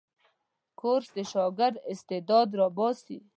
کورس د شاګرد استعداد راباسي.